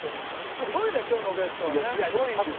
すごいね今日のゲストはね。